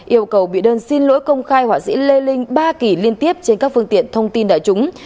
yêu cầu bị đơn xin lỗi công khai họa sĩ lê linh ba kỳ liên tiếp trên các phương tiện thông tin đại chúng